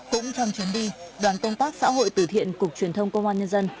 cũng trong chuyến đi đoàn công tác xã hội tử thiện cục truyền thông công an nhân dân